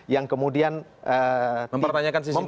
yang kemudian mempertanyakan sisi manfaat